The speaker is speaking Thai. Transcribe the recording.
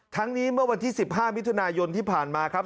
ทั้งนี้เมื่อวันที่๑๕มิถุนายนที่ผ่านมาครับ